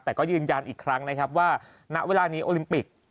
แต่ก็ยืนยันอีกครั้งนะครับว่าณเวลานี้โอลิมปิก